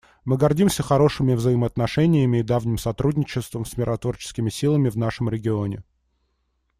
Мы гордимся хорошими взаимоотношениями и давним сотрудничеством с миротворческими силами в нашем регионе.